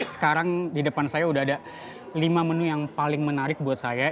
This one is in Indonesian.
sekarang di depan saya udah ada lima menu yang paling menarik buat saya